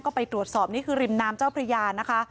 ก็ไปตรวจสอบนี่คือริมน้ำเจ้าพระยานะคะ